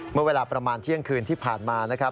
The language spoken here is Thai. เมื่อเวลาประมาณเที่ยงคืนที่ผ่านมานะครับ